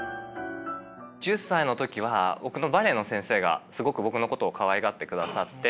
１０歳の時は僕のバレエの先生がすごく僕のことをかわいがってくださって。